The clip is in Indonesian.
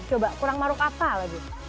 coba kurang maruk kapal lagi